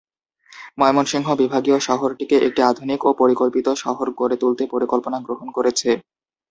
ময়মনসিংহ বিভাগীয় শহরটিকে একটি আধুনিক ও পরিকল্পিত শহর গড়ে তুলতে পরিকল্পনা গ্রহণ করেছে।